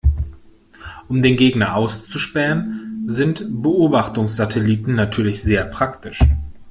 Um den Gegner auszuspähen, sind Beobachtungssatelliten natürlich sehr praktisch.